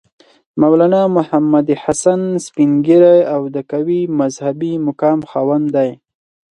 مولنا محمودالحسن سپین ږیری او د قوي مذهبي مقام خاوند دی.